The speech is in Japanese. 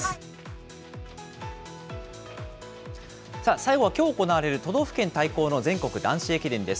最後はきょう行われる都道府県対抗の全国男子駅伝です。